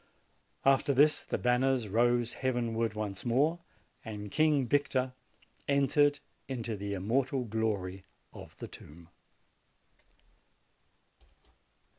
"After this, the banners rose heavenward once more, and King Victor entered into the immortal glory of the tomb."